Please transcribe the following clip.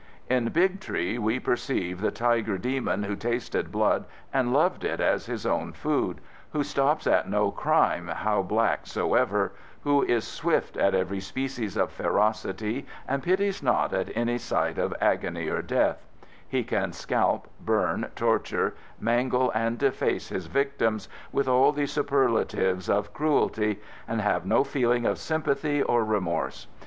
In Big Tree, we perceive the tiger demon who tasted blood and loved it as his own food—who stops at no crime how black soever—who is swift at every species of ferocity and pities not at any sight of agony or death—he can scalp, burn, torture, mangle and deface his victims, with all the superlatives of cruelty, and have no feeling of sympathy or remorse.